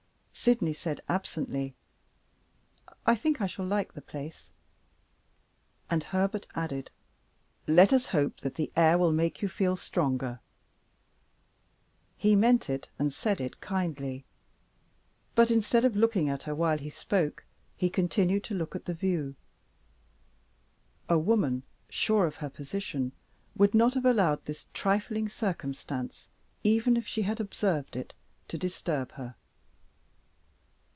Sydney said, absently, "I think I shall like the place." And Herbert added: "Let us hope that the air will make you feel stronger." He meant it and said it kindly but, instead of looking at her while he spoke, he continued to look at the view. A woman sure of her position would not have allowed this trifling circumstance, even if she had observed it, to disturb her.